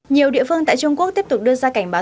nhiều địa phương tại trung quốc tiếp tục đưa ra cảnh báo